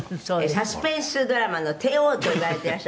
「サスペンスドラマの帝王と言われてらっしゃる」